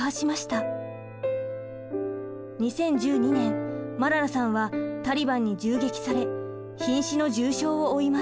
２０１２年マララさんはタリバンに銃撃されひん死の重傷を負います。